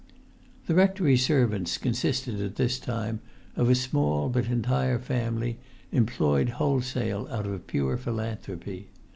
The rectory servants consisted at this time of a small but entire family employed wholesale out of pure philanthropy.